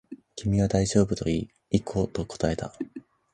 君は大丈夫と言い、行こうと答えた